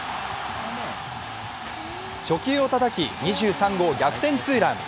初球をたたき、２３号逆転ツーラン。